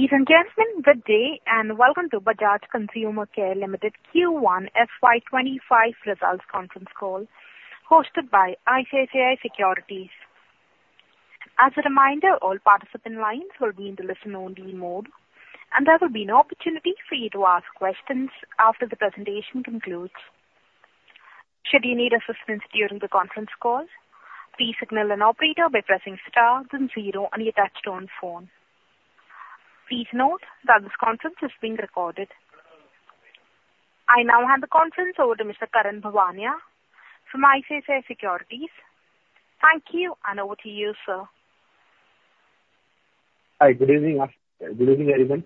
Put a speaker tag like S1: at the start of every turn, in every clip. S1: Ladies and gentlemen, good day, and welcome to Bajaj Consumer Care Limited Q1 FY 2025 results conference call, hosted by ICICI Securities. As a reminder, all participant lines will be in the listen-only mode, and there will be an opportunity for you to ask questions after the presentation concludes. Should you need assistance during the conference call, please signal an operator by pressing star then zero on your touchtone phone. Please note that this conference is being recorded. I now hand the conference over to Mr. Karan Bhuwania from ICICI Securities. Thank you, and over to you, sir.
S2: Hi, good evening, good evening, everyone.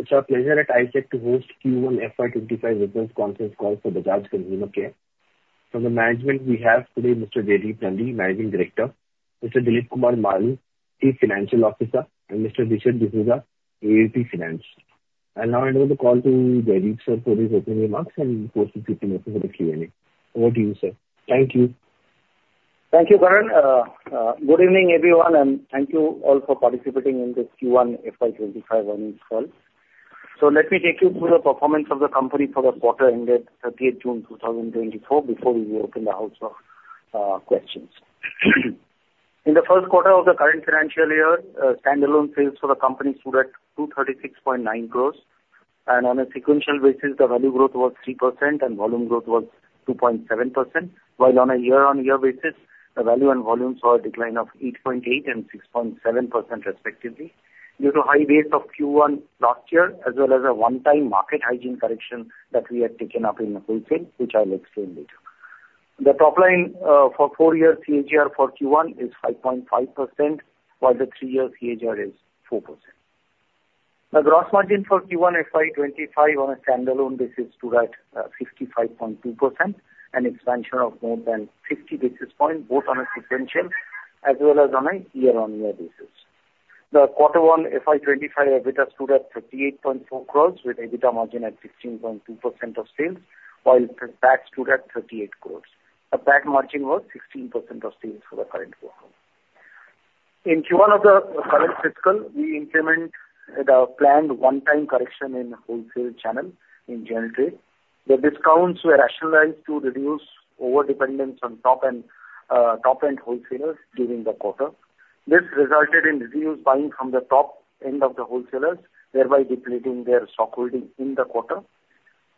S2: It's our pleasure at ICICI to host Q1 FY25 results conference call for Bajaj Consumer Care. From the management, we have today Mr. Jaideep Nandi, Managing Director, Mr. Dilip Kumar Maloo, Chief Financial Officer, and Mr. Richard D'Souza, AVP Finance. I'll now hand over the call to Jaideep, sir, for his opening remarks and he will proceed to open for the Q&A. Over to you, sir. Thank you.
S3: Thank you, Karan. Good evening, everyone, and thank you all for participating in this Q1 FY25 earnings call. So let me take you through the performance of the company for the quarter ended 30th June 2024, before we open the floor for questions. In the first quarter of the current financial year, standalone sales for the company stood at 236.9 crores, and on a sequential basis, the value growth was 3% and volume growth was 2.7%. While on a year-on-year basis, the value and volume saw a decline of 8.8% and 6.7% respectively, due to high base of Q1 last year, as well as a one-time market hygiene correction that we had taken up in the wholesale, which I will explain later. The top line for four-year CAGR for Q1 is 5.5%, while the three-year CAGR is 4%. The gross margin for Q1 FY 2025 on a standalone basis stood at 55.2%, an expansion of more than 50 basis points, both on a sequential as well as on a year-on-year basis. The Q1 FY 2025 EBITDA stood at 38.4 crores, with EBITDA margin at 16.2% of sales, while tax stood at 38 crores. The tax margin was 16% of sales for the current quarter. In Q1 of the current fiscal, we implemented our planned one-time correction in the wholesale channel in general trade. The discounts were rationalized to reduce overdependence on top-end top-end wholesalers during the quarter. This resulted in reduced buying from the top end of the wholesalers, thereby depleting their stockholding in the quarter.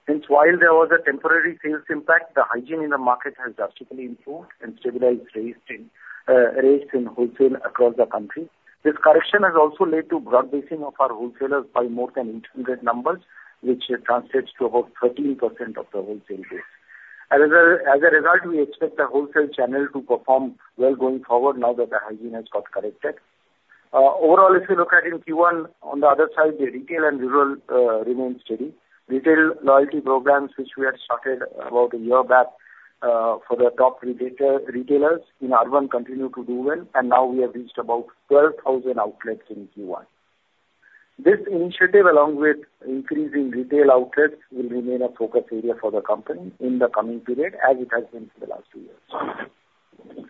S3: Since while there was a temporary sales impact, the hygiene in the market has drastically improved and stabilized rates in, rates in wholesale across the country. This correction has also led to broad basing of our wholesalers by more than 800 numbers, which translates to about 13% of the wholesale base. As a result, we expect the wholesale channel to perform well going forward now that the hygiene has got corrected. Overall, if you look at in Q1, on the other side, the retail and rural remain steady. Retail loyalty programs, which we had started about a year back, for the top retailers in urban, continue to do well, and now we have reached about 12,000 outlets in Q1. This initiative, along with increasing retail outlets, will remain a focus area for the company in the coming period, as it has been for the last 2 years.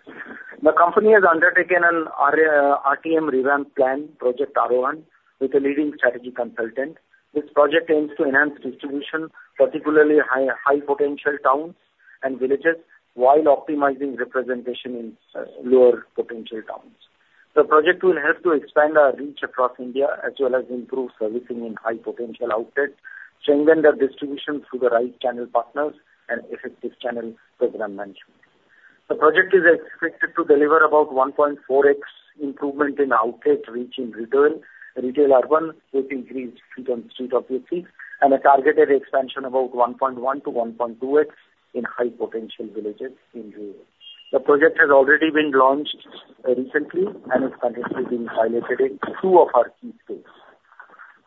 S3: The company has undertaken an Aarohan RTM revamp plan, Project Aarohan, with a leading strategy consultant. This project aims to enhance distribution, particularly high potential towns and villages, while optimizing representation in lower potential towns. The project will help to expand our reach across India, as well as improve servicing in high potential outlets, changing the distribution through the right channel partners and effective channel program management. The project is expected to deliver about 1.4x improvement in outlet reach in retail urban, with increased feet on street obviously, and a targeted expansion about 1.1-1.2x in high potential villages in rural. The project has already been launched, recently and is currently being piloted in 2 of our key states.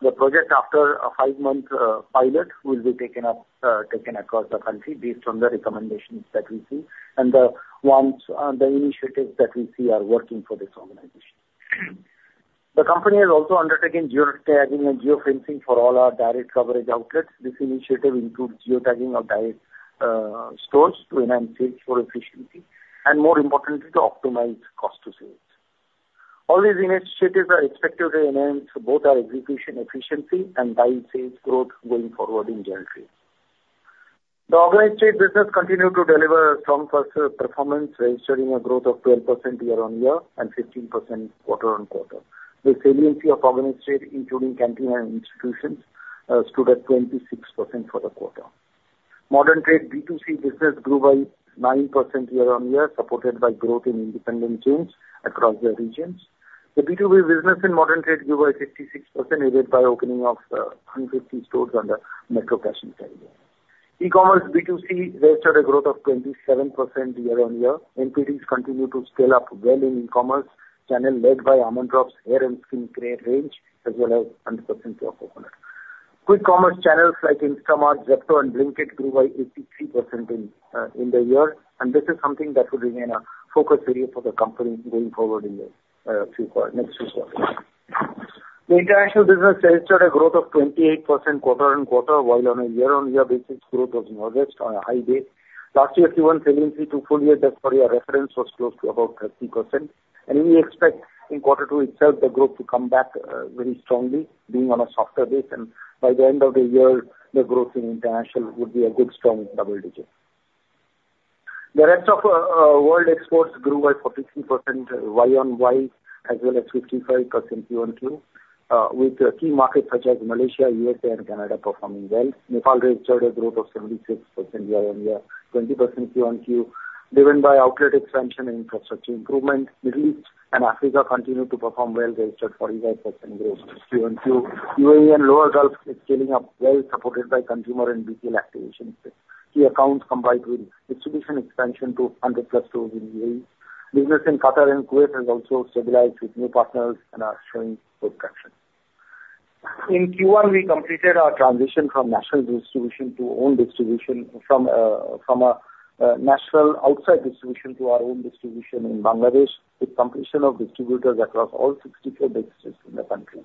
S3: The project, after a 5-month, pilot, will be taken up, taken across the country based on the recommendations that we see and the ones, the initiatives that we see are working for this organization. The company has also undertaken geo tagging and geo fencing for all our direct coverage outlets. This initiative includes geo tagging of direct, stores to enhance sales force efficiency and more importantly, to optimize cost to sales. All these initiatives are expected to enhance both our execution efficiency and by sales growth going forward in general trade. The organized trade business continued to deliver strong first, performance, registering a growth of 12% year-on-year and 15% quarter-on-quarter. The saliency of organized trade, including canteen and institutions, stood at 26% for the quarter. Modern trade B2C business grew by 9% year-on-year, supported by growth in independent chains across the regions. The B2B business in modern trade grew by 56%, aided by opening of 150 stores under Metro Cash & Carry. E-commerce B2C registered a growth of 27% year-on-year. NPDs continue to scale up well in e-commerce channel, led by Almond Drops Hair and Skin Care range, as well as 100% pure coconut. Quick commerce channels like Instamart, Zepto and Blinkit grew by 83% in the year, and this is something that will remain a focus area for the company going forward in the next few quarters. The international business registered a growth of 28% quarter-over-quarter, while on a year-on-year basis, growth was modest on a high base. Last year, Q1 sales to full year just for your reference, was close to about 30%, and we expect in Quarter Two itself, the growth to come back very strongly being on a softer base. By the end of the year, the growth in international would be a good, strong double digits. The rest of world exports grew by 43% year-on-year, as well as 55% quarter-on-quarter, with key markets such as Malaysia, USA, and Canada performing well. Nepal registered a growth of 76% year-on-year, 20% quarter-on-quarter, driven by outlet expansion and infrastructure improvement. Middle East and Africa continued to perform well, registered 45% growth quarter-on-quarter. UAE and Lower Gulf is scaling up, well supported by consumer and B2B activation, key accounts combined with distribution expansion to 100+ stores in UAE. Business in Qatar and Kuwait has also stabilized with new partners and are showing good traction. In Q1, we completed our transition from national distribution to own distribution from national outside distribution to our own distribution in Bangladesh, with completion of distributors across all 64 districts in the country.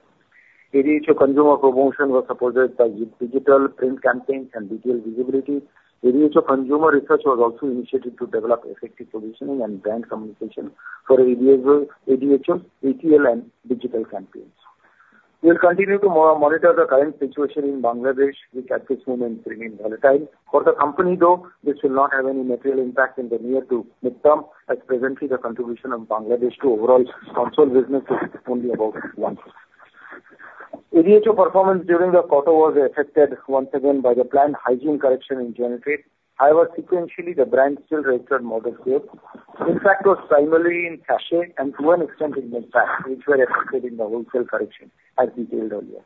S3: ADHO consumer promotion was supported by digital print campaigns and digital visibility. ADHO consumer research was also initiated to develop effective positioning and brand communication for ADHO, ADHO ATL and digital campaigns. We will continue to monitor the current situation in Bangladesh, which at this moment remains volatile. For the company, though, this will not have any material impact in the near to midterm, as presently the contribution of Bangladesh to overall consolidated business is only about 1%. ADHO performance during the quarter was affected once again by the planned hygiene correction in general trade. However, sequentially, the brand still registered modest growth. Impact was primarily in sachet and to an extent in mid-pack, which were affected in the wholesale correction, as detailed earlier.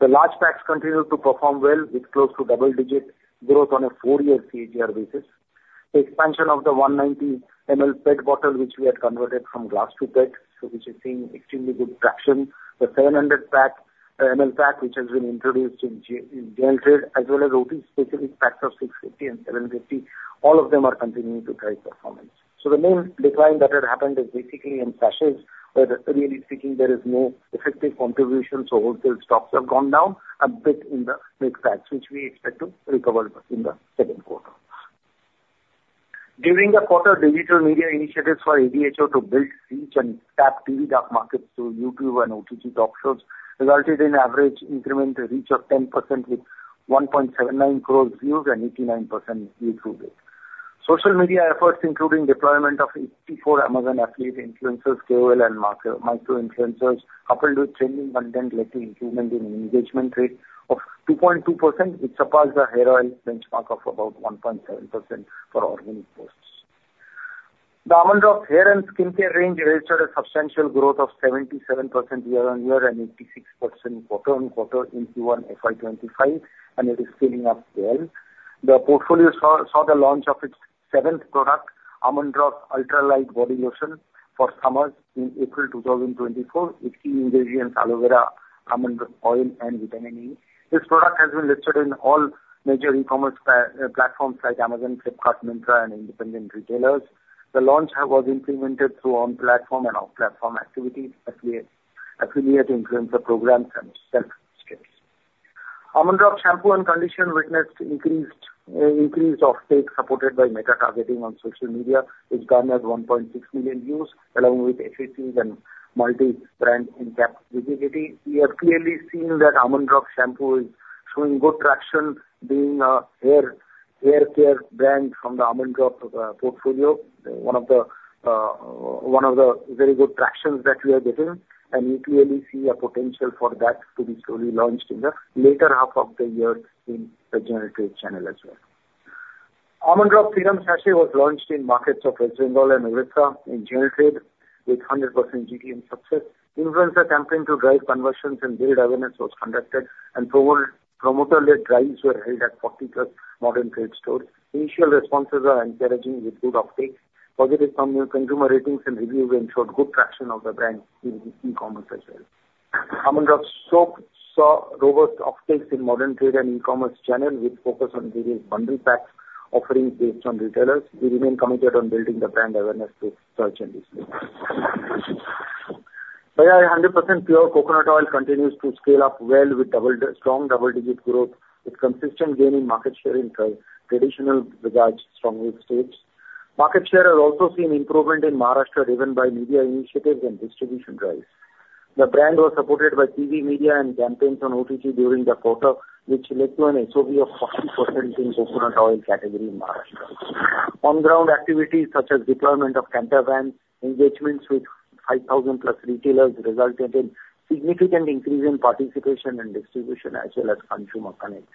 S3: The large packs continued to perform well with close to double-digit growth on a four-year CAGR basis. The expansion of the 190 ml PET bottle, which we had converted from glass to pet, so which is seeing extremely good traction. The 700 ml pack, which has been introduced in general trade, as well as OT specific packs of 650 and 750, all of them are continuing to drive performance. So the main decline that had happened is basically in sachets, where really speaking, there is no effective contribution, so wholesale stocks have gone down a bit in the mixed packs, which we expect to recover in the second quarter. During the quarter, digital media initiatives for ADHO to build reach and tap TV dark markets through YouTube and OTT talk shows resulted in average incremental reach of 10%, with 1.79 crore views and 89% view-through rate. Social media efforts, including deployment of 84 Amazon affiliate influencers, KOL and macro, micro-influencers, coupled with trending content, leading improvements in engagement rate of 2.2%, which surpassed the hair oil benchmark of about 1.7% for organic posts. The Almond Drops Hair and Skincare range registered a substantial growth of 77% year-on-year and 86% quarter-on-quarter in Q1 FY25, and it is scaling up well. The portfolio saw the launch of its seventh product, Almond Drops Ultra Light Body Lotion for summers in April 2024, with key ingredients aloe vera, almond oil and vitamin E. This product has been listed in all major e-commerce platforms like Amazon, Flipkart, Myntra, and independent retailers. The launch was implemented through on-platform and off-platform activities, affiliate influencer programs and sales skills. Almond Drops Shampoo and conditioner witnessed increased offtake, supported by meta targeting on social media, which garnered 1.6 million views, along with in-store and multi-brand in-depth visibility. We are clearly seeing that Almond Drops Shampoo is showing good traction, being a hair care brand from the Almond Drops portfolio. One of the very good tractions that we are getting, and we clearly see a potential for that to be slowly launched in the later half of the year in the general trade channel as well. Almond Drops Freedom Sachet was launched in markets of West Bengal and Odisha in general trade with 100% GTM success. Influencer campaign to drive conversions and build awareness was conducted, and promoter-led drives were held at 40+ modern trade stores. Initial responses are encouraging with good uptake. Positive consumer ratings and reviews ensured good traction of the brand in e-commerce as well. Almond Drops Soap saw robust uptakes in modern trade and e-commerce channel, which focus on various bundle pack offerings based on retailers. We remain committed on building the brand awareness to further this year. Bajaj 100% Pure Coconut Oil continues to scale up well with strong double-digit growth, with consistent gain in market share in traditional trade, strong states. Market share has also seen improvement in Maharashtra, driven by media initiatives and distribution drives. The brand was supported by TV, media, and campaigns on OTT during the quarter, which led to an SOV of 40% in coconut oil category in Maharashtra. On-ground activities such as deployment of Canter van, engagements with 5,000+ retailers, resulted in significant increase in participation and distribution, as well as consumer connect.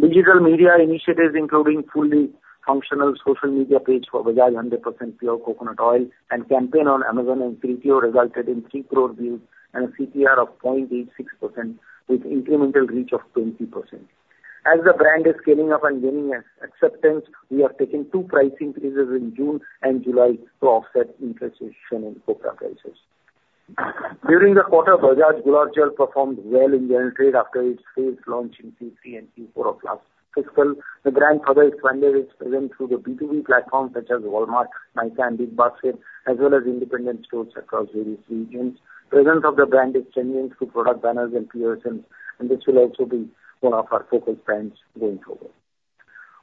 S3: Digital media initiatives, including fully functional social media page for Bajaj 100% Pure Coconut Oil and campaign on Amazon and Flipkart, resulted in 3 crore views and a CTR of 0.86%, with incremental reach of 20%. As the brand is scaling up and gaining acceptance, we are taking 2 pricing increases in June and July to offset inflation in coconut prices. During the quarter, Bajaj Gulab Jal performed well in general trade after its phased launch in Q3 and Q4 of last fiscal. The brand further expanded its presence through the B2B platform, such as Walmart, Myntra, and BigBasket, as well as independent stores across various regions. Presence of the brand is changing through product banners and promotions, and this will also be one of our focal brands going forward....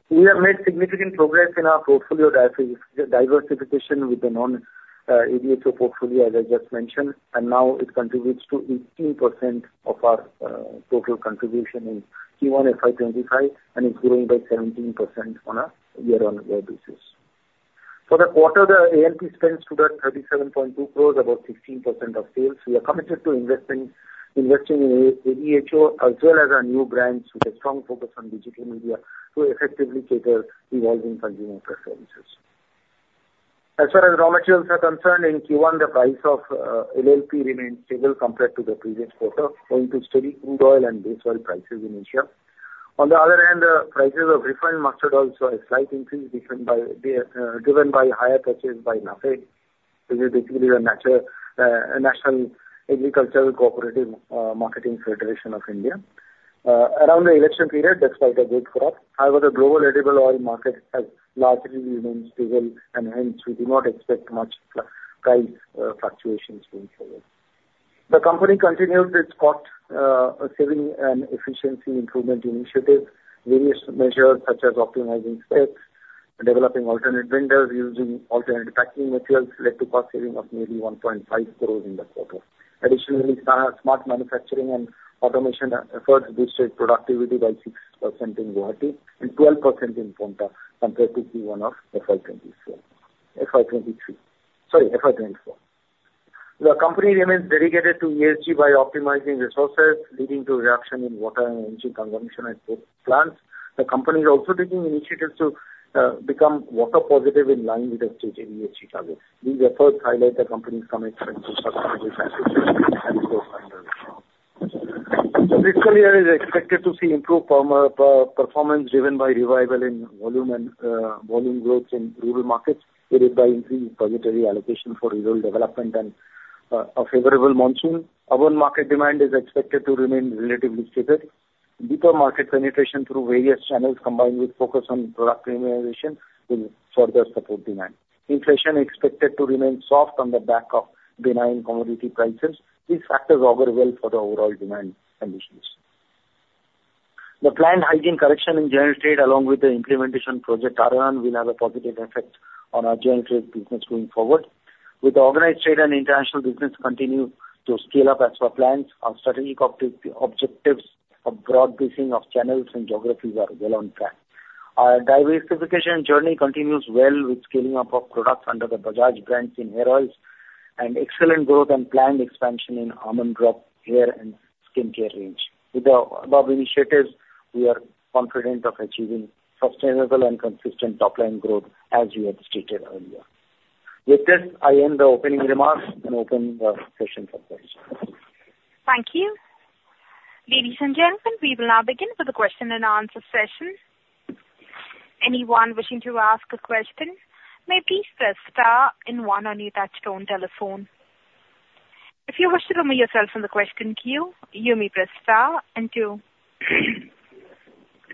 S3: We have made significant progress in our portfolio diversification with the non-ADHO portfolio, as I just mentioned, and now it contributes to 18% of our total contribution in Q1 FY25, and it's growing by 17% on a year-on-year basis. For the quarter, the A&P spends to 37.2 crores about 16% of sales. We are committed to investing in ADHO, as well as our new brands, with a strong focus on digital media to effectively cater evolving consumer preferences. As far as raw materials are concerned, in Q1, the price of LLP remained stable compared to the previous quarter, owing to steady crude oil and base oil prices in Asia. On the other hand, prices of refined mustard also a slight increase, driven by higher purchase by NAFED. This is basically the National Agricultural Cooperative Marketing Federation of India. Around the election period, despite a good crop, however, the global edible oil market has largely remained stable, and hence we do not expect much price fluctuations going forward. The company continued its cost saving and efficiency improvement initiative. Various measures such as optimizing space, developing alternate vendors, using alternate packing materials, led to cost saving of nearly 1.5 crore in the quarter. Additionally, smart manufacturing and automation efforts boosted productivity by 6% in Guwahati and 12% in Paonta Sahib compared to Q1 of FY 2024... FY 2023. Sorry, FY 2024. The company remains dedicated to ESG by optimizing resources, leading to reduction in water and energy consumption at both plants. The company is also taking initiatives to become water positive in line with the ESG target. These efforts highlight the company's commitment to sustainable practices and goals under ESG. Fiscal year 2025 is expected to see improved performance, driven by revival in volume and volume growth in rural markets, aided by increased budgetary allocation for rural development and a favorable monsoon. Urban market demand is expected to remain relatively stable. Deeper market penetration through various channels, combined with focus on product innovation, will further support demand. Inflation is expected to remain soft on the back of benign commodity prices. These factors augur well for the overall demand conditions. The planned hygiene correction in general trade, along with the implementation of Project Aarohan, will have a positive effect on our general trade business going forward. With the organized trade and international business continue to scale up as per plans, our strategic objectives of broad basing of channels and geographies are well on track. Our diversification journey continues well with scaling up of products under the Bajaj brands in hair oils, and excellent growth and planned expansion in Almond Drops hair and skincare range. With the above initiatives, we are confident of achieving sustainable and consistent top line growth, as we had stated earlier. With this, I end the opening remarks and open the session for questions.
S1: Thank you. Ladies and gentlemen, we will now begin with the question and answer session. Anyone wishing to ask a question, may please press star and one on your touchtone telephone. If you wish to remove yourself from the question queue, you may press star and two.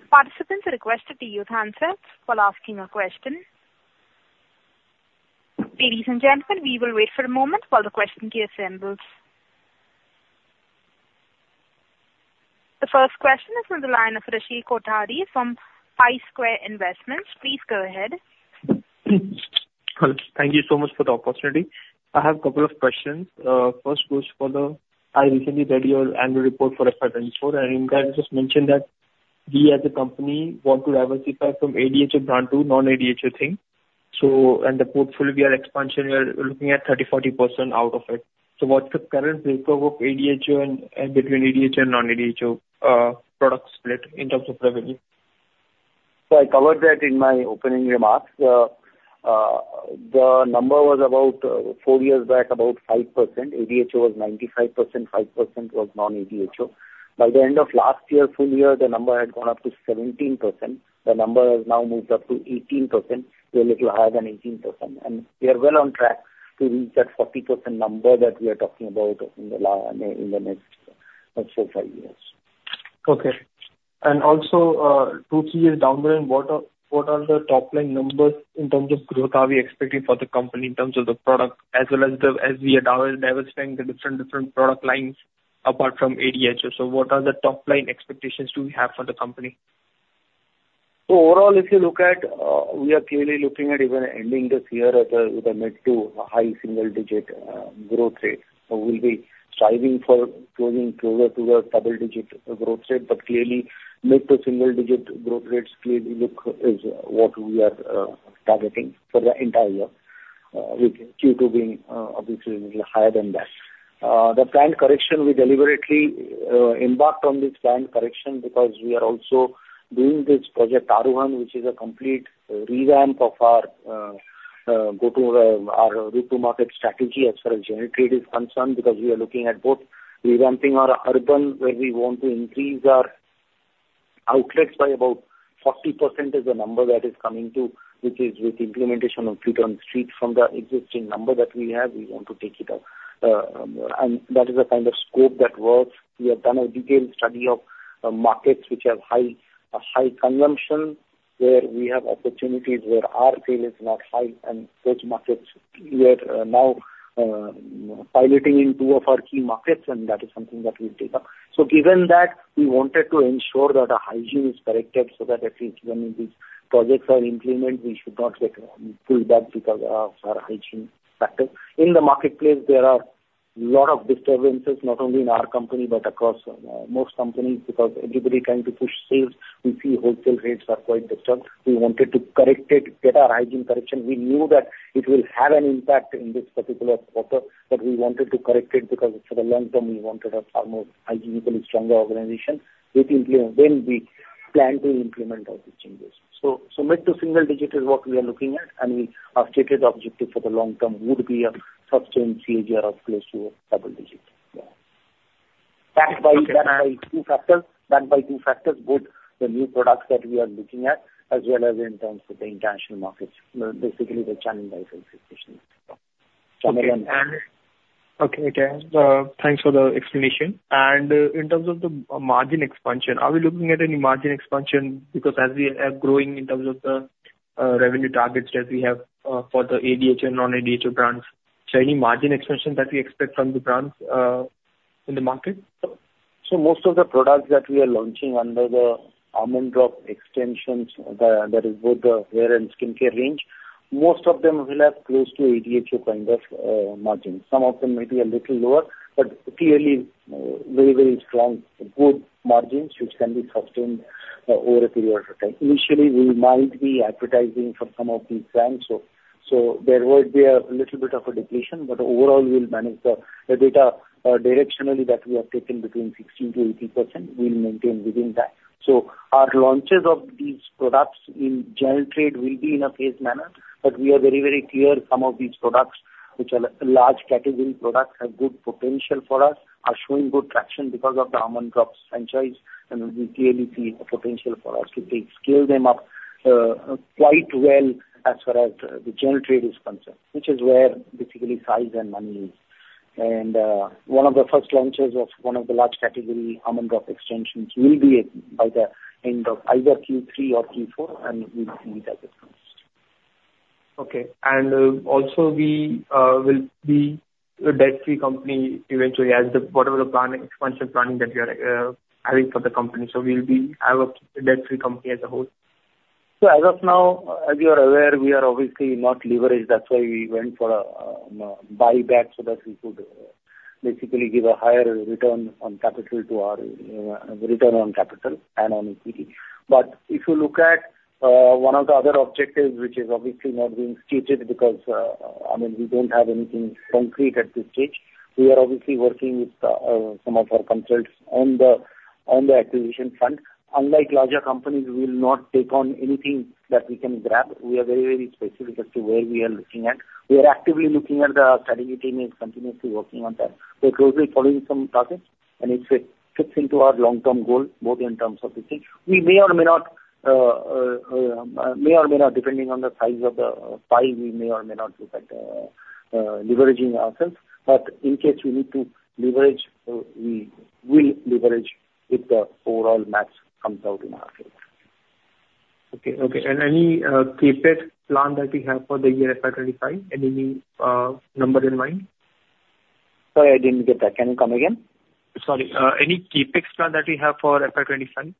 S1: Participants are requested to use handsets while asking a question. Ladies and gentlemen, we will wait for a moment while the question queue assembles. The first question is on the line of Rishi Kothari from Pi Square Investments. Please go ahead.
S4: Thank you so much for the opportunity. I have a couple of questions. First was for the, I recently read your annual report for FY 2024, and in that you just mentioned that we as a company want to diversify from ADHO brand to non-ADHO thing. So, and the portfolio expansion, we are looking at 30%-40% out of it. So what's the current breakup of ADHO and, and between ADHO and non-ADHO, product split in terms of revenue?
S3: So I covered that in my opening remarks. The number was about, four years back, about 5%. ADHO was 95%, 5% was non-ADHO. By the end of last year, full year, the number had gone up to 17%. The number has now moved up to 18%, a little higher than 18%, and we are well on track to reach that 40% number that we are talking about in the, in the next let's say 5 years.
S4: Okay. And also, 2-3 years down the line, what are the top line numbers in terms of growth are we expecting for the company in terms of the product as well as the, as we are diversifying the different product lines apart from ADHO? So what are the top line expectations do we have for the company?
S3: So overall, if you look at, we are clearly looking at even ending this year at the, with a mid- to high single-digit, growth rate. So we'll be striving for closing closer to a double-digit growth rate, but clearly, mid- to single-digit growth rates clearly look is what we are, targeting for the entire year. We Q2 being, obviously a little higher than that. The planned correction, we deliberately, embarked on this planned correction because we are also doing this Project Aarohan, which is a complete revamp of our, go-to, our go-to-market strategy as far as general trade is concerned. Because we are looking at both revamping our urban, where we want to increase our outlets by about 40% is the number that is coming to, which is with implementation of street. From the existing number that we have, we want to take it up. And that is the kind of scope that works. We have done a detailed study of markets which have high consumption... where we have opportunities where our sale is not high, and those markets, we are now piloting in two of our key markets, and that is something that we take up. So given that, we wanted to ensure that our hygiene is corrected, so that if, when these projects are implemented, we should not get pulled back because of our hygiene factor. In the marketplace, there are a lot of disturbances, not only in our company, but across most companies, because everybody trying to push sales. We see wholesale rates are quite disturbed. We wanted to correct it, get our hygiene correction. We knew that it will have an impact in this particular quarter, but we wanted to correct it, because for the long term, we wanted a far more hygienically stronger organization, which we plan to implement all these changes. So mid to single digit is what we are looking at, and our stated objective for the long term would be a sustained CAGR of close to a double digit. Yeah. Backed by two factors, both the new products that we are looking at, as well as in terms of the international markets, basically the channel diversification.
S4: Okay, great. Thanks for the explanation. In terms of the margin expansion, are we looking at any margin expansion? Because as we are growing in terms of the revenue targets that we have for the ADHO and non-ADHO brands, is there any margin expansion that we expect from the brands in the market?
S3: Most of the products that we are launching under the Almond Drops extensions, that is both the hair and skincare range, most of them will have close to ADHO kind of margins. Some of them may be a little lower, but clearly, very, very strong, good margins, which can be sustained over a period of time. Initially, we might be advertising for some of these brands, so there would be a little bit of a depletion, but overall, we'll manage the delta directionally that we have taken between 16%-18%, we'll maintain within that. So our launches of these products in General Trade will be in a phased manner, but we are very, very clear some of these products, which are large category products, have good potential for us, are showing good traction because of the Almond Drops franchise, and we clearly see a potential for us to take... Scale them up, quite well as far as the General Trade is concerned, which is where basically size and money is. And, one of the first launches of one of the large category Almond Drops extensions will be by the end of either Q3 or Q4, and we, we will get that launched.
S4: Okay. And also we will be a debt-free company eventually, as the whatever the planning, expansion planning that we are having for the company. So we'll be have a debt-free company as a whole?
S3: So as of now, as you are aware, we are obviously not leveraged. That's why we went for a buyback, so that we could basically give a higher return on capital to our return on capital and on equity. But if you look at one of the other objectives, which is obviously not being stated because, I mean, we don't have anything concrete at this stage, we are obviously working with some of our consultants on the acquisition front. Unlike larger companies, we will not take on anything that we can grab. We are very, very specific as to where we are looking at. We are actively looking at, the strategy team is continuously working on that. We're closely following some targets, and if it fits into our long-term goal, both in terms of the team, we may or may not, may or may not, depending on the size of the pie, we may or may not look at leveraging ourselves. But in case we need to leverage, we will leverage if the overall math comes out in our favor.
S4: Okay, okay. Any CapEx plan that we have for the year FY 25? Any new number in mind?
S3: Sorry, I didn't get that. Can you come again?
S4: Sorry, any CapEx plan that we have for FY25?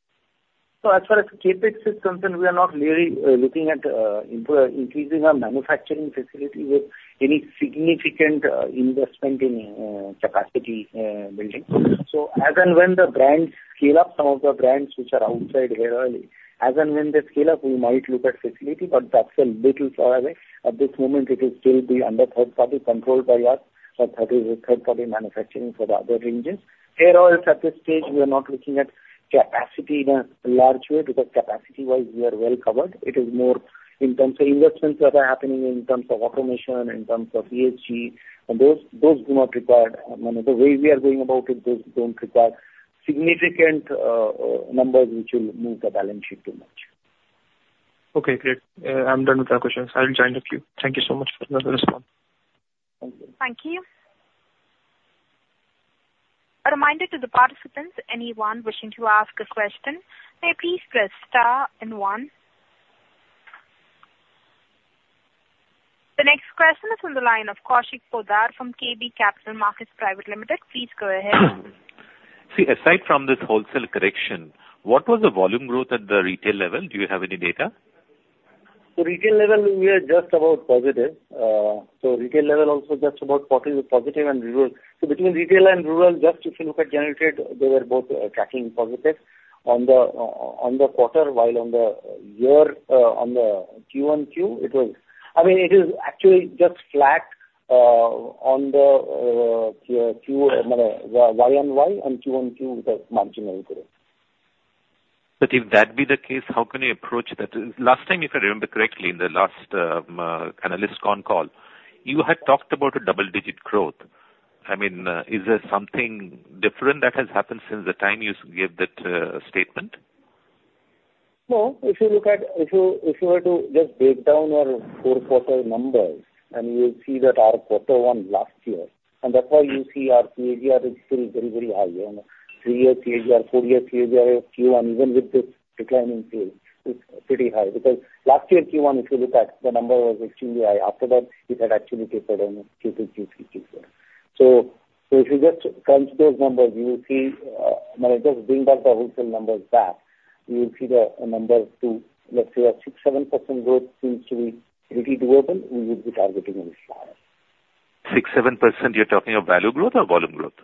S3: So as far as CapEx is concerned, we are not really looking at increasing our manufacturing facility with any significant investment in capacity building. So as and when the brands scale up, some of the brands which are outside hair oil, as and when they scale up, we might look at facility, but that's a little far away. At this moment, it will still be under third party, controlled by us, but that is a third party manufacturing for the other ranges. Hair oils, at this stage, we are not looking at capacity in a large way, because capacity-wise, we are well covered. It is more in terms of investments that are happening, in terms of automation, in terms of ESG, and those do not require... I mean, the way we are going about it, those don't require significant numbers which will move the balance sheet too much.
S4: Okay, great. I'm done with my questions. I will join the queue. Thank you so much for the response.
S3: Thank you.
S1: Thank you. A reminder to the participants, anyone wishing to ask a question, may please press star and one. The next question is on the line of Kaushik Poddar from KB Capital Markets Private Limited. Please go ahead.
S5: See, aside from this wholesale correction, what was the volume growth at the retail level? Do you have any data?
S3: So retail level, we are just about positive. So retail level also just about positive, positive and rural. So between retail and rural, just if you look at generated, they were both, tracking positive on the, on the quarter, while on the year, on the Q1Q, it was... I mean, it is actually just flat, on the, Q, Y on Y and Q on Q, with a marginal growth.
S5: But if that be the case, how can you approach that? Last time, if I remember correctly, in the last conference call, you had talked about a double-digit growth. I mean, is there something different that has happened since the time you gave that statement?...
S3: No, if you look at, if you were to just break down our four quarter numbers, and you will see that our quarter one last year, and that's why you see our CAGR is still very, very high. You know, 3-year CAGR, 4-year CAGR of Q1, even with the decline in sales, it's pretty high. Because last year, Q1, if you look at, the number was extremely high. After that, it had actually tapered down to 50, 54. So if you just crunch those numbers, you will see, when I just bring back the wholesale numbers back, you will see the numbers to, let's say, a 6%-7% growth seems to be pretty doable, and we would be targeting this higher.
S5: 6%-7%, you're talking of value growth or volume growth?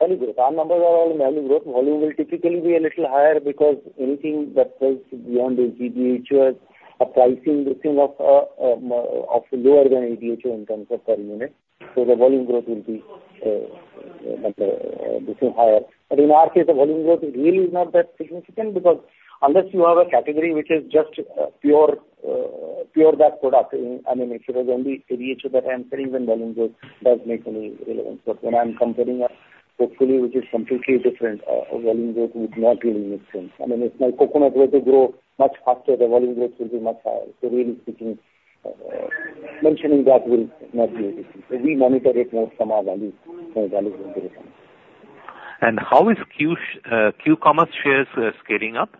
S3: Value growth. Our numbers are all value growth. Volume will typically be a little higher because anything that goes beyond the ADHO, as a pricing, of lower than ADHO in terms of per unit, so the volume growth will be little higher. But in our case, the volume growth is really not that significant, because unless you have a category which is just pure that product, I mean, if it was only ADHO that I'm selling, then volume growth does make a little relevant. But when I'm comparing a portfolio, which is completely different, volume growth would not really make sense. I mean, if my coconut were to grow much faster, the volume growth will be much higher. So really speaking, mentioning that will not be an issue. We monitor it more from a value, from a value point of view.
S5: How is Q-commerce shares scaling up?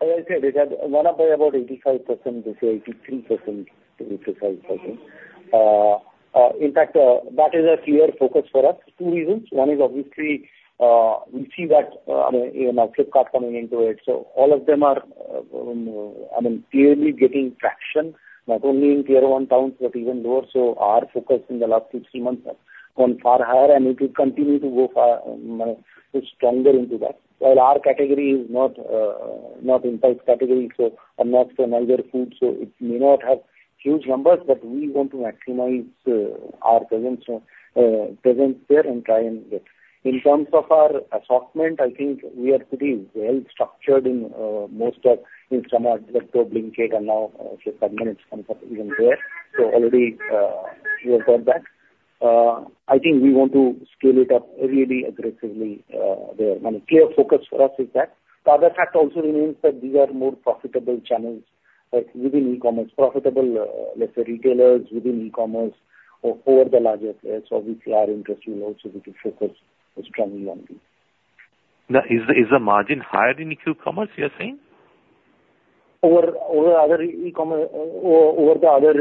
S3: As I said, it had went up by about 85% to say 83%, to 85%. In fact, that is a clear focus for us. Two reasons: One is obviously, we see that, you know, Flipkart coming into it, so all of them are, I mean, clearly getting traction, not only in tier one towns, but even lower. So our focus in the last six, three months has gone far higher, and it will continue to go far, you know, stronger into that. While our category is not, not impulse category, so and not another food, so it may not have huge numbers, but we want to maximize, our presence, presence there and try and get. In terms of our assortment, I think we are pretty well structured in most of Instamart, BigBasket, Blinkit, and now, say, Zepto's comes up even there. So already, we have got that. I think we want to scale it up really aggressively, there. I mean, clear focus for us is that. The other fact also remains that these are more profitable channels within e-commerce. Profitable, let's say, retailers within e-commerce or over the larger players, so which are interesting also, which we focus strongly on this.
S5: Now, is the margin higher in e-commerce, you're saying?
S3: Over other e-commerce, over the other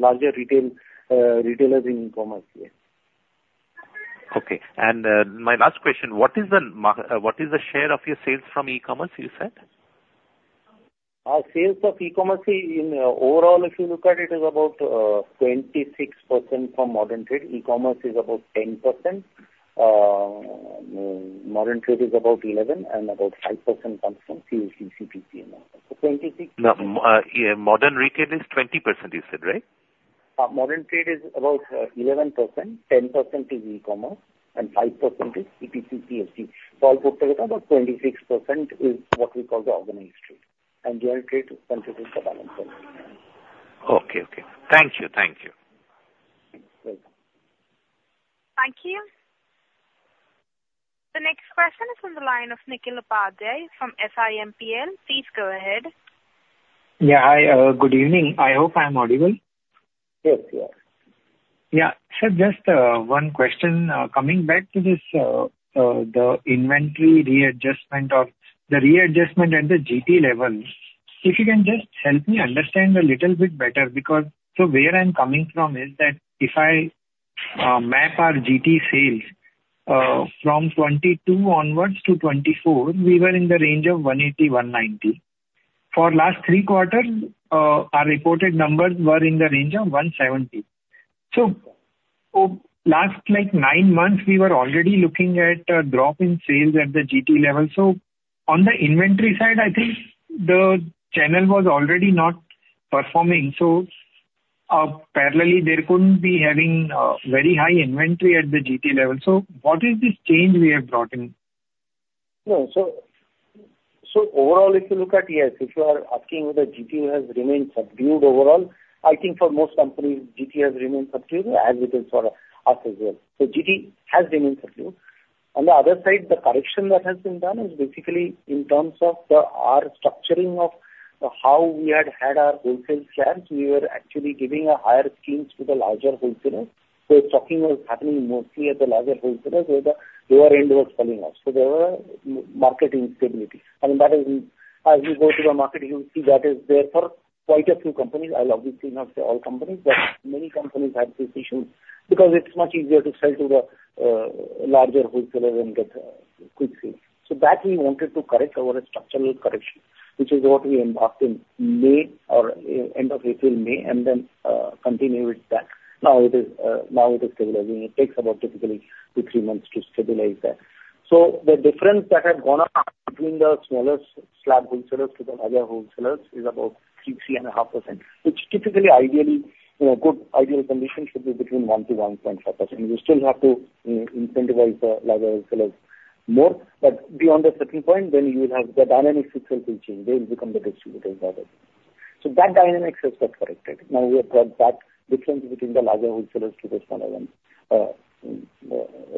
S3: larger retail retailers in e-commerce, yes.
S5: Okay. And, my last question, what is the share of your sales from e-commerce, you said?
S3: Our sales of e-commerce in overall, if you look at it, is about 26% from modern trade. E-commerce is about 10%, modern trade is about 11%, and about 5% comes from CUC, CPCB. So 26-
S5: Now, yeah, modern retail is 20%, you said, right?
S3: Modern Trade is about 11%, 10% is e-commerce, and 5% is CPC, CSD. So all put together, about 26% is what we call the Organized Trade, and General Trade contributes the balance.
S5: Okay, okay. Thank you. Thank you.
S1: Thank you. The next question is on the line of Nikhil Upadhyay from SIMPL. Please go ahead.
S6: Yeah, hi. Good evening. I hope I'm audible.
S3: Yes, you are.
S6: Yeah. So just, one question, coming back to this, the inventory readjustment or the readjustment at the GT level. If you can just help me understand a little bit better, because so where I'm coming from is that if I, map our GT sales, from 2022 onwards to 2024, we were in the range of 180-190. For last 3 quarters, our reported numbers were in the range of 170. So for last, like, 9 months, we were already looking at a drop in sales at the GT level. So on the inventory side, I think the channel was already not performing, so, parallelly, they couldn't be having, very high inventory at the GT level. So what is this change we have brought in?
S3: No. So overall, if you look at, yes, if you are asking whether GT has remained subdued overall, I think for most companies, GT has remained subdued, as it is for us as well. So GT has remained subdued. On the other side, the correction that has been done is basically in terms of the our structuring of how we had had our wholesale slabs. We were actually giving higher schemes to the larger wholesalers, so stocking was happening mostly at the larger wholesalers, where the lower end was falling off. So there were market instability, and that is, as you go to the market, you will see that is there for quite a few companies. I'll obviously not say all companies, but many companies have this issue, because it's much easier to sell to the larger wholesaler and get quick sales. So that we wanted to correct our structural correction, which is what we embarked in May or end of April, May, and then, continued with that. Now it is, now it is stabilizing. It takes about typically 2-3 months to stabilize that. So the difference that has gone up between the smallest slab wholesalers to the larger wholesalers is about 3-3.5%, which typically, ideally, in a good ideal condition, should be between 1-1.5%. You still have to, incentivize the larger wholesalers more, but beyond a certain point, then you will have the dynamic itself will change. They will become the distributors rather.... So that dynamics has got corrected. Now we have got that difference between the larger wholesalers to the smaller ones,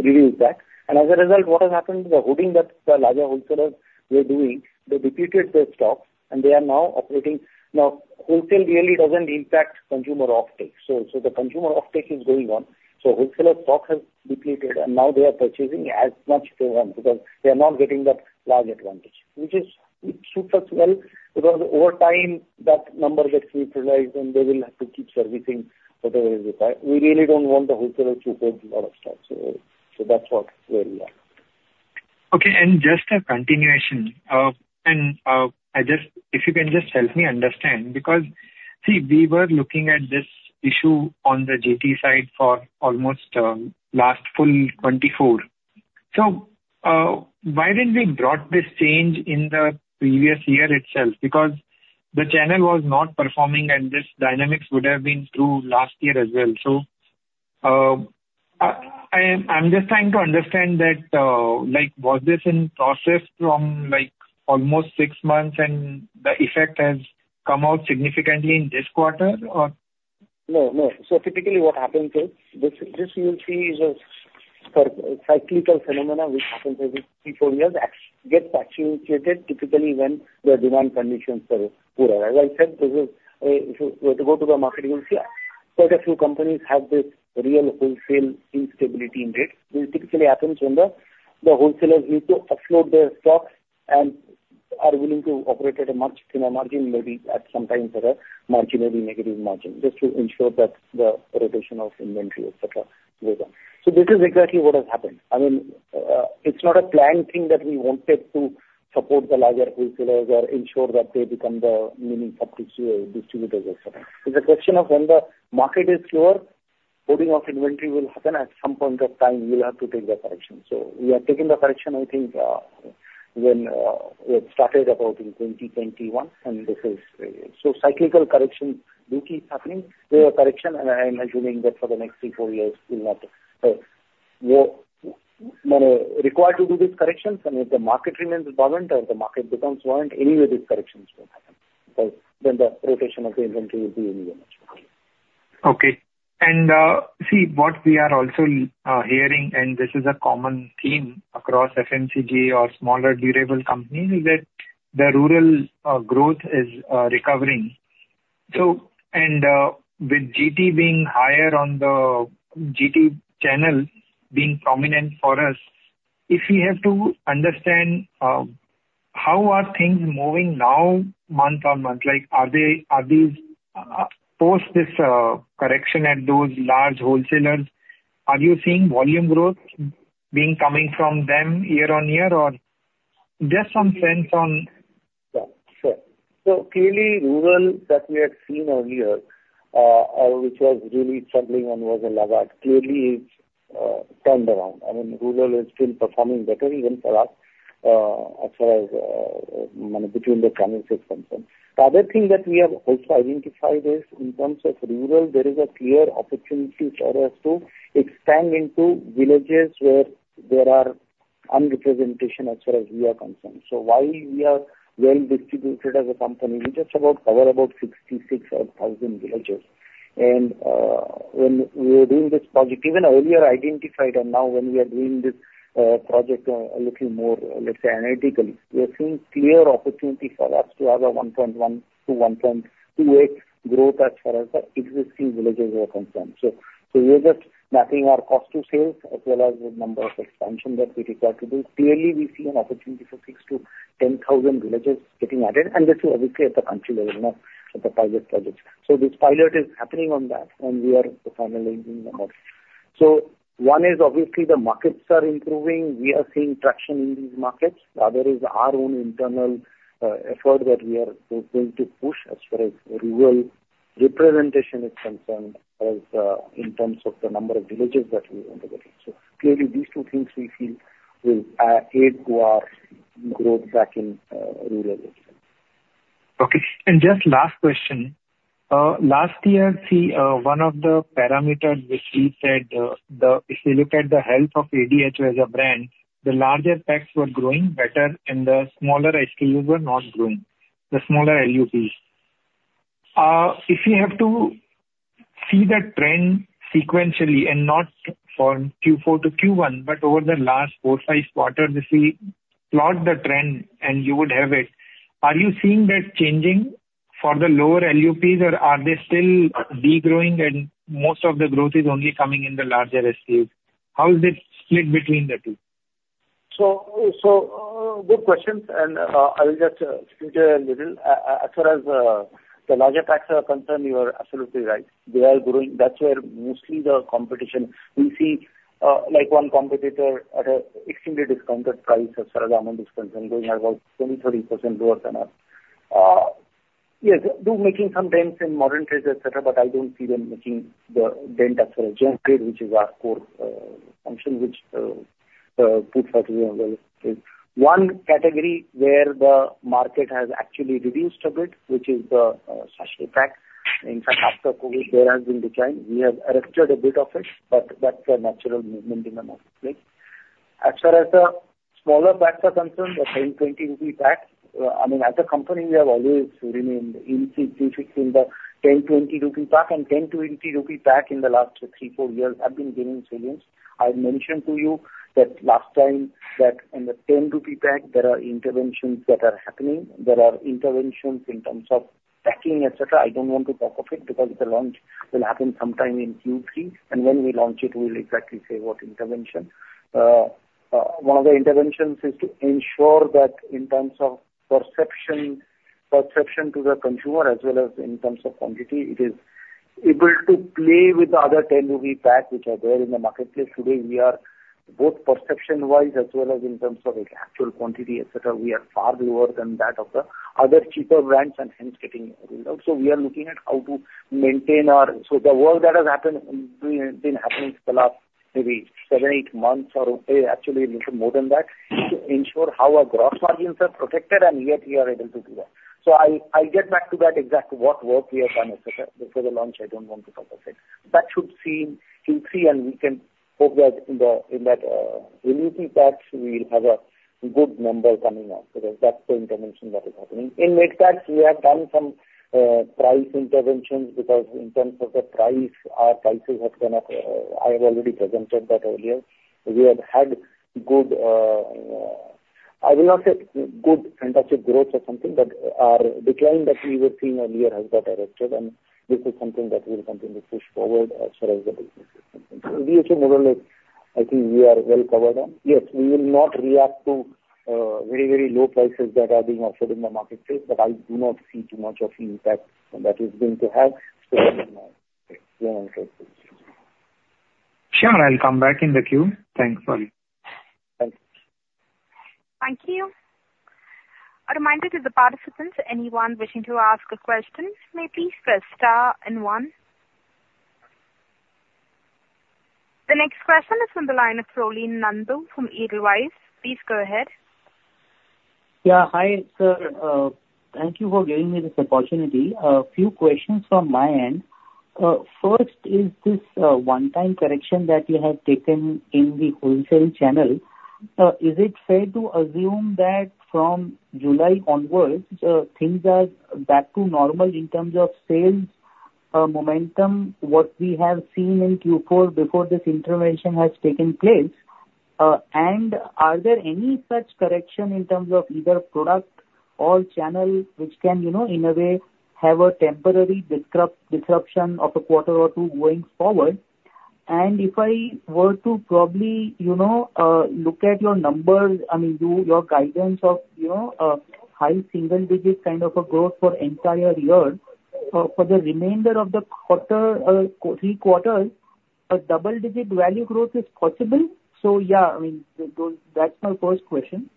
S3: reduced that. As a result, what has happened is the hoarding that the larger wholesalers were doing. They depleted their stocks, and they are now operating. Now, wholesale really doesn't impact consumer offtake, so the consumer offtake is going on. So wholesaler stock has depleted, and now they are purchasing as much they want because they are not getting that large advantage, which is, it suits us well, because over time, that number gets neutralized and they will have to keep servicing whatever is required. We really don't want the wholesaler to hold a lot of stock. So that's where we are.
S6: Okay, and just a continuation. I just -- if you can just help me understand, because, see, we were looking at this issue on the GT side for almost last full 24. So, why didn't we brought this change in the previous year itself? Because the channel was not performing, and this dynamics would have been true last year as well. So, I, I'm just trying to understand that, like, was this in process from, like, almost 6 months and the effect has come out significantly in this quarter, or?
S3: No, no. So typically what happens is this, this you will see is a cyclical phenomenon which happens every three, four years. It gets accentuated typically when the demand conditions are poor. As I said, this is, if you were to go to the market, you will see quite a few companies have this real wholesale instability in rates. This typically happens when the wholesalers need to offload their stocks and are willing to operate at a much thinner margin, maybe at some times at a marginally negative margin, just to ensure that the rotation of inventory, et cetera, goes on. So this is exactly what has happened. I mean, it's not a planned thing that we wanted to support the larger wholesalers or ensure that they become the main sub-distributors as such. It's a question of when the market is slow, holding of inventory will happen. At some point of time, we'll have to take the correction. So we have taken the correction, I think, when it started about in 2021, and this is... So cyclical correction do keep happening. There are correction, and I'm assuming that for the next 3, 4 years, we'll have to more required to do these corrections, and if the market remains buoyant or if the market becomes buoyant, anyway, these corrections will happen. So then the rotation of the inventory will be anyway much better.
S6: Okay. And see, what we are also hearing, and this is a common theme across FMCG or smaller durable companies, is that the rural growth is recovering. So, and with GT being higher on the GT channel being prominent for us, if we have to understand how are things moving now month-on-month? Like, are they, are these post this correction at those large wholesalers, are you seeing volume growth being coming from them year-on-year, or just some sense on?
S3: Sure. Sure. So clearly, rural that we had seen earlier, which was really struggling and was a laggard, clearly, turned around. I mean, rural is still performing better even for us, as far as, between the channels is concerned. The other thing that we have also identified is, in terms of rural, there is a clear opportunity for us to expand into villages where there are underrepresentation as far as we are concerned. So while we are well distributed as a company, we just about cover about 66 or 1,000 villages. And, when we were doing this project, even earlier identified, and now when we are doing this, project a little more, let's say, analytically, we are seeing clear opportunity for us to have a 1.1-1.28 growth as far as the existing villages are concerned. So, so we are just mapping our cost to sales as well as the number of expansion that we require to do. Clearly, we see an opportunity for 6,000-10,000 villages getting added, and this is obviously at the country level, not at the pilot projects. So this pilot is happening on that, and we are finalizing the model. So one is obviously the markets are improving. We are seeing traction in these markets. The other is our own internal effort that we are going to push as far as rural representation is concerned, as in terms of the number of villages that we want to get in. So clearly, these two things we feel will aid to our growth back in rural areas.
S6: Okay. And just last question. Last year, see, one of the parameters which we said, the, if you look at the health of ADHO as a brand, the larger packs were growing better and the smaller SKUs were not growing, the smaller LUPs. If you have to see that trend sequentially, and not for Q4-Q1, but over the last four, five quarters, if we plot the trend and you would have it, are you seeing that changing for the lower LUPs, or are they still degrowing and most of the growth is only coming in the larger SKUs? How is it split between the two?
S3: Good question, and I will just speak a little. As far as the larger packs are concerned, you are absolutely right. They are growing. That's where mostly the competition we see, like one competitor at an extremely discounted price as far as amount is concerned, growing about 20%-30% lower than us. Yes, they're making some dents in modern trade, et cetera, but I don't see them making the dent as far as general trade, which is our core function, which puts us in a well place. One category where the market has actually reduced a bit, which is the sachets pack. In fact, after COVID, there has been decline. We have arrested a bit of it, but that's a natural movement in the market, right? As far as the smaller packs are concerned, the 10, 20 rupee packs, I mean, as a company, we have always remained in the 10, 20 rupee pack, and 10, 20 rupee pack in the last three, four years have been gaining sales. I've mentioned to you that last time that in the 10 rupee pack, there are interventions that are happening. There are interventions in terms of packing, et cetera. I don't want to talk of it because the launch will happen sometime in Q3, and when we launch it, we'll exactly say what intervention. One of the interventions is to ensure that in terms of perception, perception to the consumer, as well as in terms of quantity, it is able to play with the other 10-rupee pack which are there in the marketplace. Today, we are both perception-wise as well as in terms of its actual quantity, et cetera, we are far lower than that of the other cheaper brands and hence getting rolled out. So we are looking at how to maintain our-- So the work that has happened, been happening for the last maybe 7, 8 months or actually a little more than that, to ensure how our gross margins are protected and yet we are able to do that. So I'll get back to that exact what work we have done, et cetera. Before the launch, I don't want to talk of it. That should see in Q3, and we can hope that in the, in that, rupee packs, we'll have a good number coming out. So that's the intervention that is happening. In mid packs, we have done some, price interventions because in terms of the price, our prices have been up. I have already presented that earlier. We have had good, I will not say good, fantastic growth or something, but our decline that we were seeing earlier has got arrested and this is something that we will continue to push forward as far as the business is concerned. We also more or less, I think we are well covered on. Yes, we will not react to, very, very low prices that are being offered in the marketplace, but I do not see too much of impact that is going to have on our business.
S6: Sure, I'll come back in the queue. Thanks, sorry.
S3: Thanks.
S1: Thank you. A reminder to the participants, anyone wishing to ask a question, may please press star and one. The next question is from the line of Prolin Nandu from Edelweiss. Please go ahead.
S7: Yeah, hi, sir, thank you for giving me this opportunity. A few questions from my end. First, is this, one-time correction that you have taken in the wholesale channel, is it fair to assume that from July onwards, things are back to normal in terms of sales, momentum, what we have seen in Q4 before this intervention has taken place? And are there any such correction in terms of either product or channel which can, you know, in a way, have a temporary disruption of a quarter or two going forward? And if I were to probably, you know, look at your numbers, I mean, your guidance of, you know, high single digit kind of a growth for entire year, for the remainder of the quarter, three quarters, a double-digit value growth is possible? So, yeah, I mean, those, that's my first question.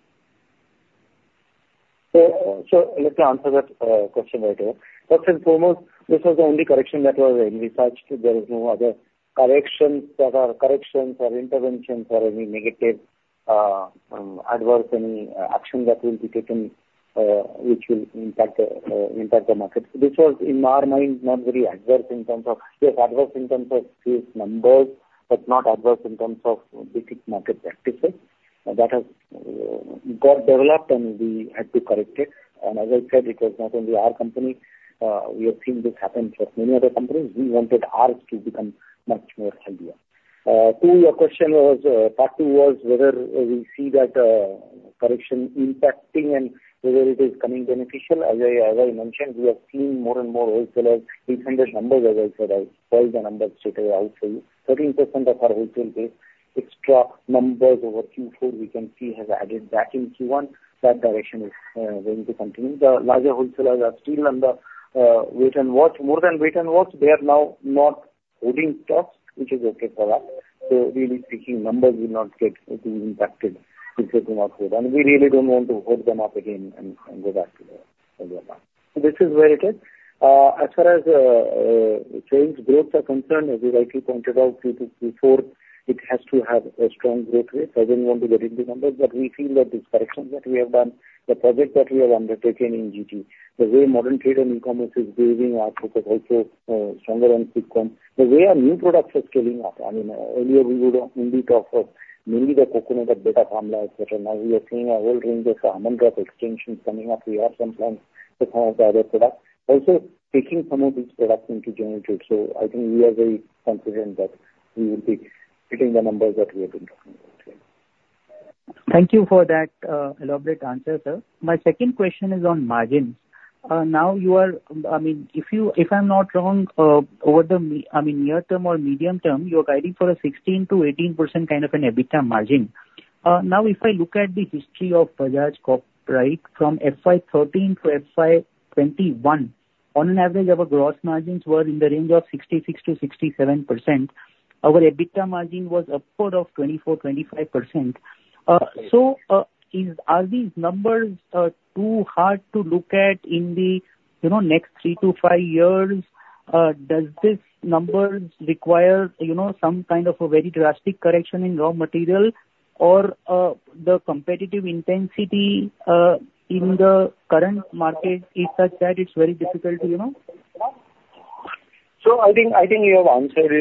S3: So, let me answer that question right away. First and foremost, this was the only correction that was in research. There is no other corrections that are corrections or interventions or any negative, adverse, any, action that will be taken, which will impact the impact the market. This was, in our mind, not very adverse in terms of—yes, adverse in terms of few numbers, but not adverse in terms of basic market practices. That has got developed, and we had to correct it. And as I said, it was not only our company. We have seen this happen for many other companies. We wanted ours to become much more healthier. Two, your question was, part two was whether we see that correction impacting and whether it is coming beneficial. As I mentioned, we have seen more and more wholesalers recover numbers. As I said, I followed the numbers today also. 13% of our wholesale base, extra numbers over Q4, we can see has added back in Q1. That direction is going to continue. The larger wholesalers are still under wait and watch. More than wait and watch, they are now not holding stocks, which is okay for us. So really speaking, numbers will not get impacted if they do not hold, and we really don't want to hold them up again and go back to the in the market. This is where it is. As far as sales growths are concerned, as you rightly pointed out, Q3, Q4, it has to have a strong growth rate. I don't want to get into numbers, but we feel that these corrections that we have done, the project that we have undertaken in GT, the way modern trade and e-commerce is building our products also stronger and quicker. The way our new products are scaling up, I mean, earlier we would only talk of mainly the coconut, Bajaj formula, et cetera. Now we are seeing a whole range of Almond Drops extensions coming up. We have some plans to have the other products also taking some of these products into general trade. So I think we are very confident that we will be hitting the numbers that we have been talking about here.
S7: Thank you for that, elaborate answer, sir. My second question is on margins. Now you are, I mean, if I'm not wrong, over the near term or medium term, you're guiding for a 16%-18% kind of an EBITDA margin. Now, if I look at the history of Bajaj Consumer Care from FY 2013-FY 2021, on an average, our gross margins were in the range of 66%-67%. Our EBITDA margin was upward of 24, 25%. So, are these numbers too hard to look at in the, you know, next 3-5 years? Does these numbers require, you know, some kind of a very drastic correction in raw material or, the competitive intensity, in the current market is such that it's very difficult to, you know?...
S3: So I think you have answered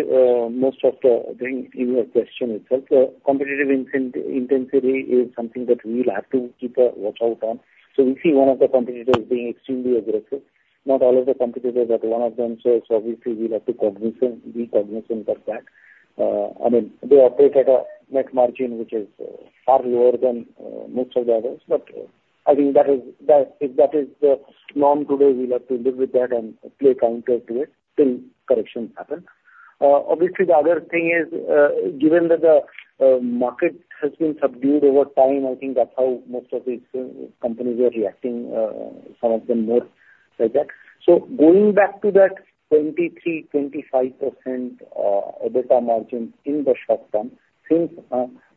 S3: most of it in your question itself. Competitive intensity is something that we will have to keep a watch out on. So we see one of the competitors being extremely aggressive. Not all of the competitors, but one of them, so obviously we'll have to take cognizance of that. I mean, they operate at a net margin, which is far lower than most of the others, but I think that if that is the norm today, we'll have to live with that and play counter to it till corrections happen. Obviously, the other thing is, given that the market has been subdued over time, I think that's how most of these companies are reacting, some of them more like that. So going back to that 23%-25% EBITDA margin in the short term seems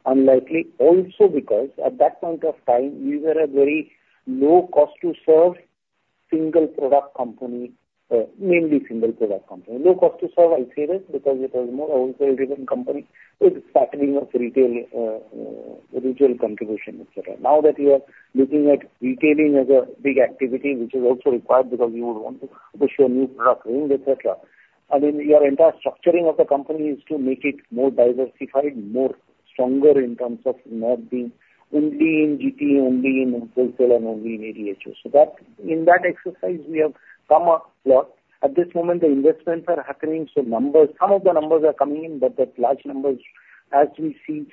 S3: unlikely. Also, because at that point of time, we were a very low cost to serve single product company, mainly single product company. Low cost to serve, I'll say this, because it was more a wholesale-driven company with patterning of retail, retail contribution, et cetera. Now that we are looking at retailing as a big activity, which is also required because we would want to push our new product in, et cetera, I mean, your entire structuring of the company is to make it more diversified, more stronger in terms of not being only in GT, only in wholesale and only in ADHO. So that, in that exercise, we have come a lot. At this moment, the investments are happening, so numbers, some of the numbers are coming in, but the large numbers, as we see,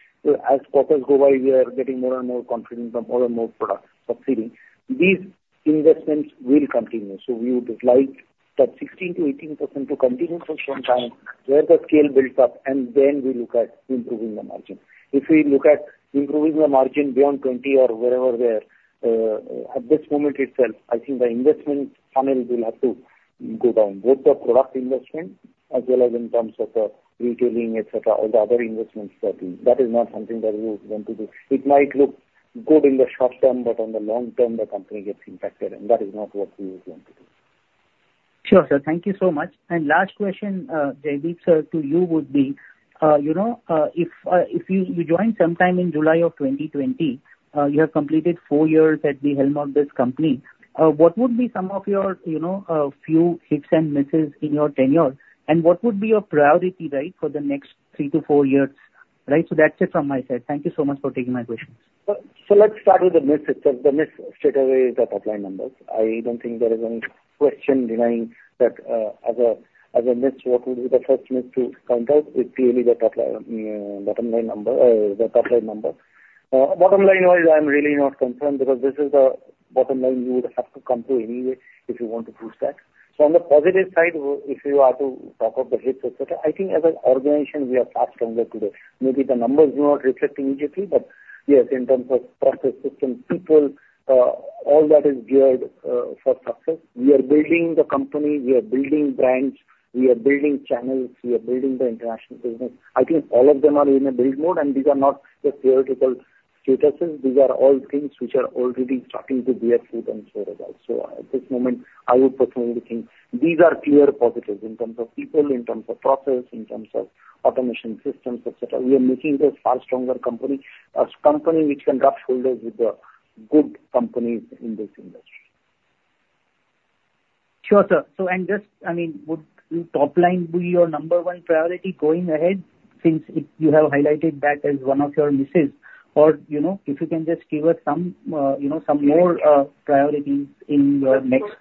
S3: as quarters go by, we are getting more and more confidence from more and more products succeeding. These investments will continue. So we would like that 16%-18% to continue for some time, where the scale builds up, and then we look at improving the margin. If we look at improving the margin beyond 20 or wherever we're at this moment itself, I think the investment funnel will have to go down, both the product investment as well as in terms of the retailing, et cetera, all the other investments that... That is not something that we want to do. It might look good in the short-term, but in the long-term, the company gets impacted, and that is not what we want to do.
S7: Sure, sir. Thank you so much. Last question, Jaideep, sir, to you would be, you know, if you joined sometime in July of 2020, you have completed four years at the helm of this company. What would be some of your, you know, few hits and misses in your tenure? And what would be your priority, right, for the next three to four years? Right, so that's it from my side. Thank you so much for taking my questions.
S3: So, let's start with the misses. The miss straightaway is the top line numbers. I don't think there is any question denying that, as a miss, what would be the first miss to counter is clearly the top line, bottom line number, the top line number. Bottom line-wise, I'm really not concerned, because this is the bottom line you would have to come to anyway if you want to boost that. So on the positive side, if you are to talk of the hits, et cetera, I think as an organization, we are far stronger today. Maybe the numbers do not reflect immediately, but yes, in terms of process, system, people, all that is geared for success. We are building the company, we are building brands, we are building channels, we are building the international business. I think all of them are in a build mode, and these are not just theoretical statuses. These are all things which are already starting to bear fruit and show results. At this moment, I would personally think these are clear positives in terms of people, in terms of process, in terms of automation systems, et cetera. We are making a far stronger company, a company which can rub shoulders with the good companies in this industry.
S7: Sure, sir. So and just, I mean, would the top line be your number one priority going ahead, since it, you have highlighted that as one of your misses? Or, you know, if you can just give us some, you know, some more priorities in your next-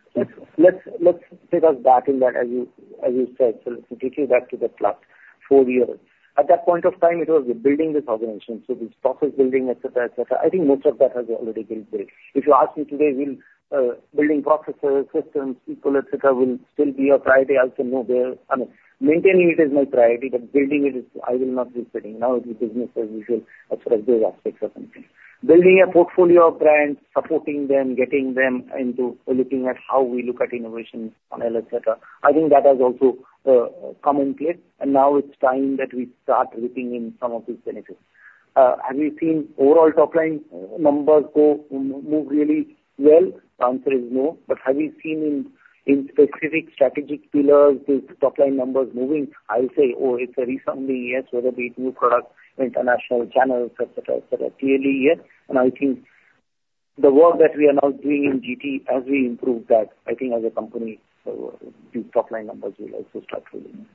S3: Let's take us back to that, as you said, so taking back to the last four years. At that point of time, it was building this organization, so this process building, et cetera, et cetera. I think most of that has already been built. If you ask me today, we'll building processes, systems, people, et cetera, will still be a priority. I'll say more there. I mean, maintaining it is my priority, but building it is, I will not be sitting. Now the business as usual as far as those aspects are concerned. Building a portfolio of brands, supporting them, getting them into looking at how we look at innovation, panel, et cetera. I think that has also come in place, and now it's time that we start reaping in some of these benefits. Have we seen overall top line numbers go, move really well? The answer is no. But have we seen in specific strategic pillars, the top line numbers moving? I'll say, oh, it's a recent only yes, whether be it new products, international channels, et cetera, et cetera. Clearly, yes, and I think the work that we are now doing in GT, as we improve that, I think as a company, the top line numbers will also start rolling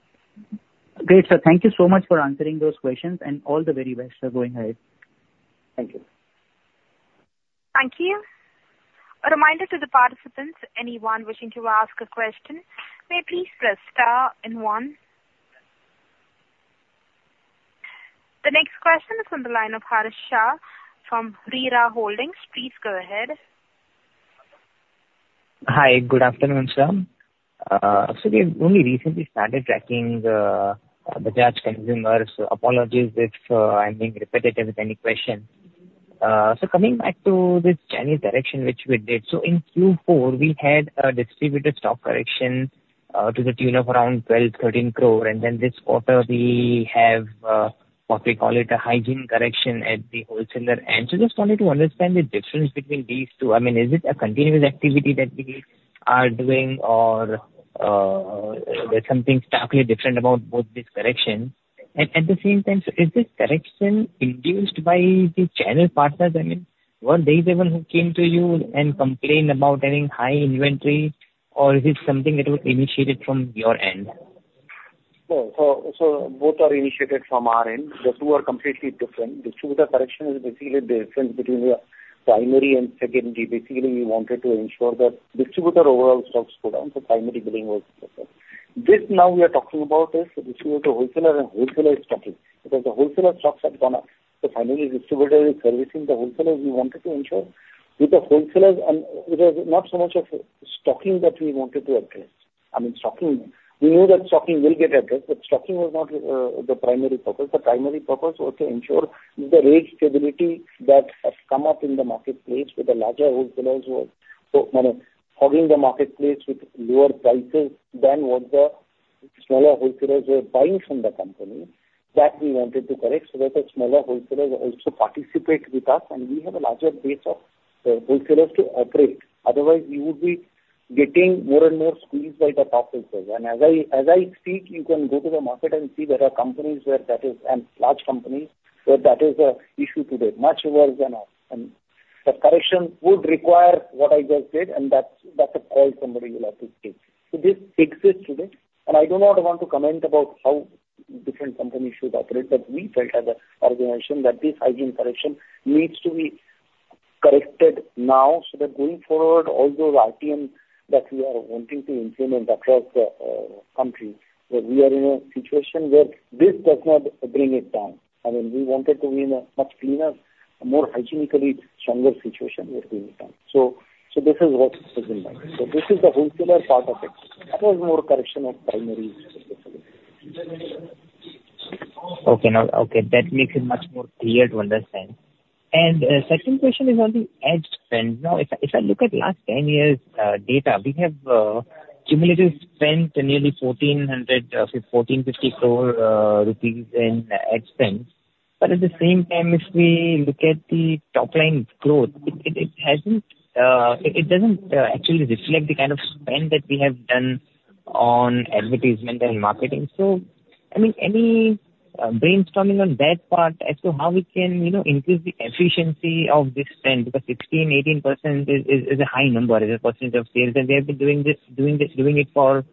S3: in.
S7: Great, sir. Thank you so much for answering those questions, and all the very best are going ahead.
S3: Thank you.
S1: Thank you. A reminder to the participants, anyone wishing to ask a question, may please press star and one. The next question is on the line of Harsha from Rita Holdings. Please go ahead.
S8: Hi, good afternoon, sir. So we've only recently started tracking the Bajaj Consumer Care, so apologies if I'm being repetitive with any question. So coming back to this channel direction, which we did, so in Q4, we had a distributed stock correction to the tune of around 12-13 crore, and then this quarter, we have what we call it, a hygiene correction at the wholesaler. So just wanted to understand the difference between these two. I mean, is it a continuous activity that we are doing, or there's something starkly different about both these corrections? And at the same time, so is this correction induced by the channel partners, I mean? Were they the one who came to you and complained about any high inventory, or is it something that was initiated from your end?
S3: No. So, so both are initiated from our end. The two are completely different. Distributor correction is basically the difference between the primary and secondary. Basically, we wanted to ensure that distributor overall stocks go down, so primary billing was affected. This now we are talking about is distributor, wholesaler, and wholesaler stocking, because the wholesaler stocks have gone up. So finally, distributor is servicing the wholesalers. We wanted to ensure with the wholesalers and it was not so much of stocking that we wanted to address. I mean, stocking, we knew that stocking will get addressed, but stocking was not the primary purpose. The primary purpose was to ensure the range stability that has come up in the marketplace, with the larger wholesalers who are, you know, hogging the marketplace with lower prices than what the smaller wholesalers were buying from the company. That we wanted to correct, so that the smaller wholesalers also participate with us, and we have a larger base of, wholesalers to operate. Otherwise, we would be getting more and more squeezed by the top wholesalers. And as I, as I speak, you can go to the market and see there are companies where that is, and large companies, where that is an issue today, much worse than us. And the correction would require what I just said, and that's, that's a call somebody will have to take. So this exists today, and I do not want to comment about how different companies should operate. But we felt as an organization that this hygiene correction needs to be corrected now, so that going forward, all those RTM that we are wanting to implement across the country, that we are in a situation where this does not bring it down. I mean, we wanted to be in a much cleaner, more hygienically stronger situation when we return. So, so this is what is in mind. So this is the wholesaler part of it. That was more correction of primary.
S8: That makes it much more clear to understand. Second question is on the ad spend. Now, if I, if I look at last 10 years data, we have cumulatively spent nearly 1,450 crore rupees in ad spend. But at the same time, if we look at the top line growth, it, it, it hasn't. It, it doesn't actually reflect the kind of spend that we have done on advertisement and marketing. So, I mean, any brainstorming on that part as to how we can, you know, increase the efficiency of this spend? Because 16%-18% is, is, is a high number as a percentage of sales, and we have been doing this, doing this, doing it for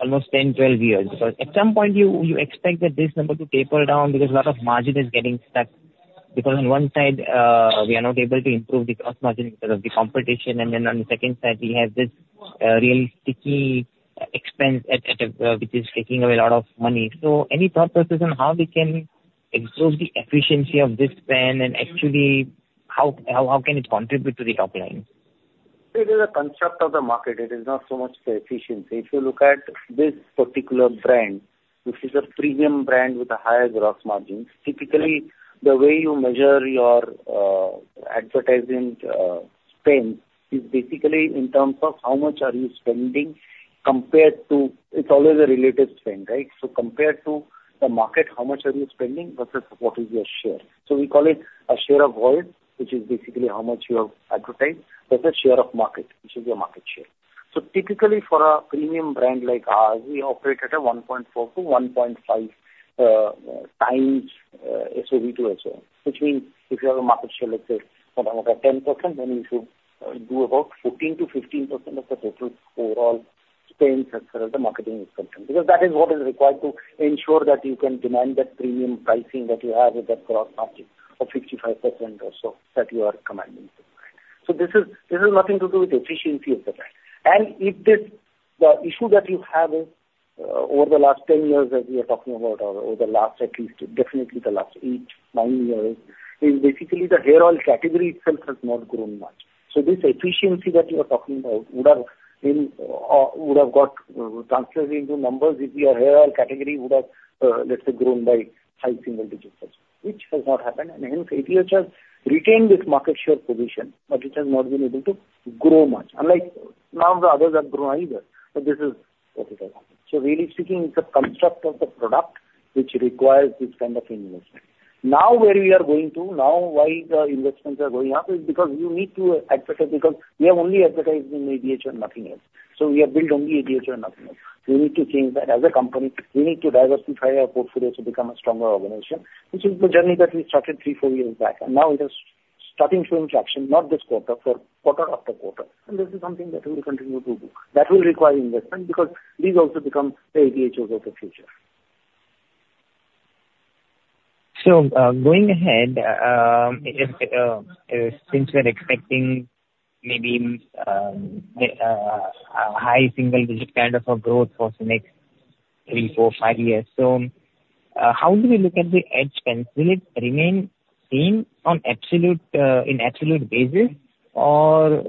S8: almost 10, 12 years. Because at some point, you expect that this number to taper down because a lot of margin is getting stuck. Because on one side, we are not able to improve the gross margin because of the competition, and then on the second side, we have this real sticky expense at which is taking away a lot of money. So any thought process on how we can exhaust the efficiency of this spend, and actually, how can it contribute to the top line?
S3: It is a concept of the market. It is not so much the efficiency. If you look at this particular brand, which is a premium brand with a higher gross margin, typically, the way you measure your advertising spend, is basically in terms of how much are you spending compared to... It's always a relative spend, right? So compared to the market, how much are you spending versus what is your share? So we call it a share of voice, which is basically how much you have advertised, versus share of market, which is your market share. So typically, for a premium brand like ours, we operate at a 1.4-1.5 times SOV to SO, which means if you have a market share, let's say around about 10%, then you should do about 14%-15% of the total overall spend as per the marketing function. Because that is what is required to ensure that you can demand that premium pricing that you have with that gross margin of 65% or so that you are commanding. So this is, this is nothing to do with efficiency of the brand. And if this, the issue that you have over the last 10 years, as we are talking about, or over the last at least, definitely the last 8-9 years, is basically the hair oil category itself has not grown much. So this efficiency that you are talking about would have been, would have got, translated into numbers if your hair oil category would have, let's say, grown by high single digits, which has not happened. And hence, ADH has retained its market share position, but it has not been able to grow much, unlike none of the others have grown either. But this is what it has happened. So really speaking, it's a construct of the product, which requires this kind of investment. Now, where we are going to, now why the investments are going up is because we need to advertise, because we have only advertised in ADH and nothing else. So we have built only ADH and nothing else. We need to change that. As a company, we need to diversify our portfolio to become a stronger organization, which is the journey that we started 3, 4 years back. Now it is starting to show traction, not this quarter, for quarter after quarter. This is something that we will continue to do. That will require investment, because these also become the ADHs of the future.
S8: So, going ahead, since we are expecting maybe a high single digit kind of a growth for the next three, four, five years, so, how do we look at the ad spend? Will it remain same on absolute, in absolute basis, or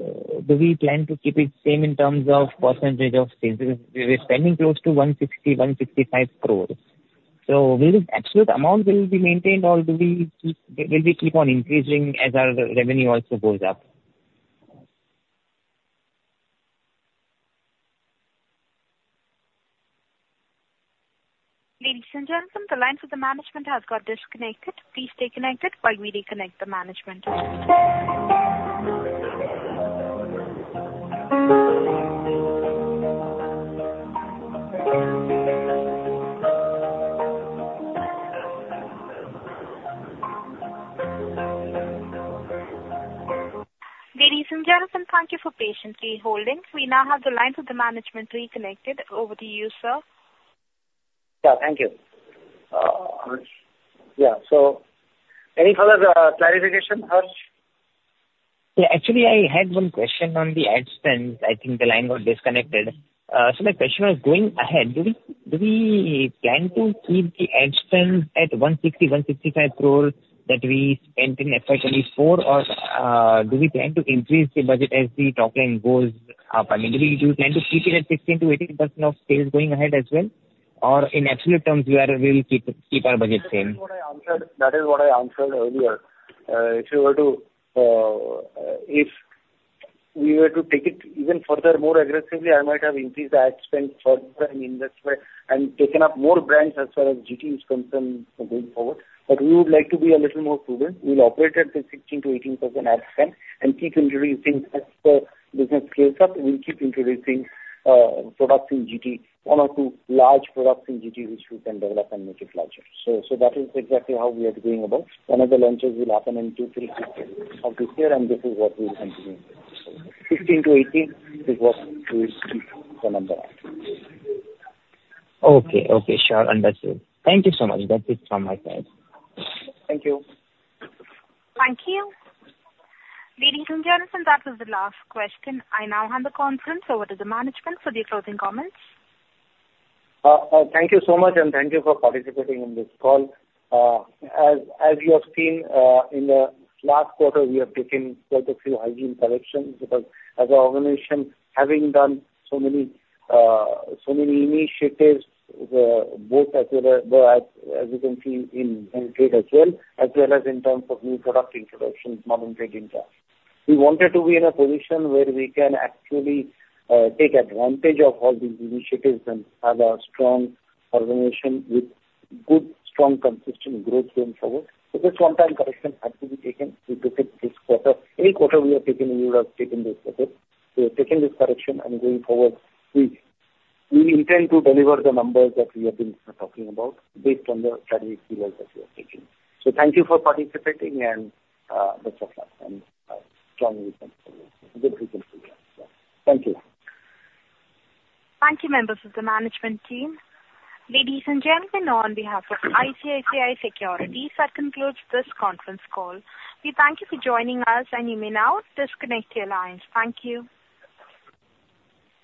S8: do we plan to keep it same in terms of percentage of sales? We're spending close to 160, 155 crores. So will the absolute amount will be maintained, or do we keep... Will we keep on increasing as our revenue also goes up?
S1: Ladies and gentlemen, the line for the management has got disconnected. Please stay connected while we reconnect the management. Ladies and gentlemen, thank you for patiently holding. We now have the lines of the management reconnected. Over to you, sir.
S3: Yeah, thank you. Yeah, so any further clarification, Harsha?
S8: Yeah, actually, I had one question on the ad spend. I think the line got disconnected. So my question was going ahead, do we, do we plan to keep the ad spend at 160-165 crores that we spent in FY 2024, or, do we plan to increase the budget as the top line goes up? I mean, do you plan to keep it at 16%-18% of sales going ahead as well, or in absolute terms, we are, we'll keep, keep our budget same?
S3: That is what I answered, that is what I answered earlier. If we were to take it even further, more aggressively, I might have increased the ad spend further in that way and taken up more brands as far as GT is concerned going forward. But we would like to be a little more prudent. We'll operate at the 16%-18% ad spend and keep introducing as the business scales up, we'll keep introducing products in GT, one or two large products in GT, which we can develop and make it larger. So, so that is exactly how we are going about. One of the launches will happen in Q3 of this year, and this is what we will continue. 16-18 is what we keep the number at.
S8: Okay. Okay, sure. Understood. Thank you so much. That's it from my side.
S3: Thank you.
S1: Thank you. Ladies and gentlemen, that was the last question. I now hand the conference over to the management for the closing comments.
S3: Thank you so much, and thank you for participating in this call. As, as you have seen, in the last quarter, we have taken quite a few hygiene corrections, because as an organization having done so many, so many initiatives, both as well, as you can see in trade as well, as well as in terms of new product introductions, modern trade. We wanted to be in a position where we can actually take advantage of all these initiatives and have a strong organization with good, strong, consistent growth going forward. So this one time correction had to be taken. We took it this quarter. Any quarter, we are taking, we would have taken this quarter. We have taken this correction, and going forward, we intend to deliver the numbers that we have been talking about based on the strategic pillars that we are taking. So thank you for participating and best of luck, and I strongly thank you. Good weekend to you. Thank you.
S1: Thank you, members of the management team. Ladies and gentlemen, on behalf of ICICI Securities, that concludes this conference call. We thank you for joining us, and you may now disconnect your lines. Thank you.